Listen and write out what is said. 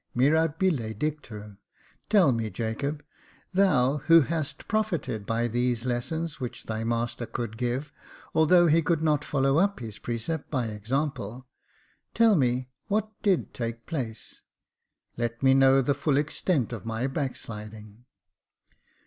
Mirabile dictu ! Tell me, Jacob, thou who hast profited by these lessons which thy master could give — although he could not follow up his precept by example — tell me, what did take place } Let me know the full extent of my backsliding."